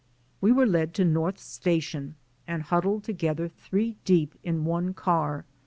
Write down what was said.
We were led to North Station and huddled together three deep in one car.